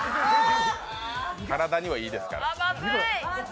体にはいいですから。